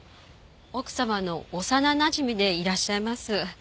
奥様の幼なじみでいらっしゃいます。